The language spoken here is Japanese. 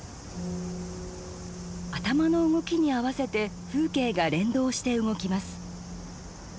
頭の動きに合わせて風景が連動して動きます。